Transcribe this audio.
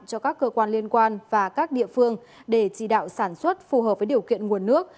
cho các cơ quan liên quan và các địa phương để chỉ đạo sản xuất phù hợp với điều kiện nguồn nước